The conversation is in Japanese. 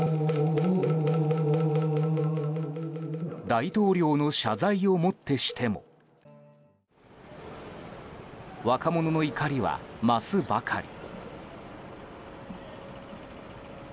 大統領の謝罪をもってしても若者の怒りは、増すばかり。